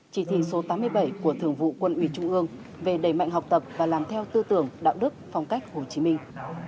chỉ thị số tám mươi bảy của thường vụ quân ủy trung ương về đẩy mạnh học tập và làm theo tư tưởng đạo đức phong cách hồ chí minh